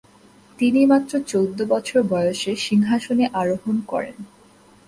তিনি মাত্র চৌদ্দ বছর বয়সে সিংহাসনে আরোহণ করেন।